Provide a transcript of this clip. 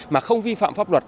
mà không vi phạm pháp luật